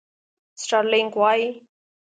سټارلېنک وایي.